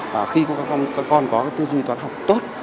và khi các con có cái tư duy toán học tốt